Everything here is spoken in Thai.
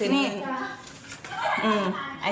ต้องไปดูกระดาษ